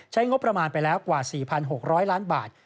งบประมาณไปแล้วกว่า๔๖๐๐ล้านบาท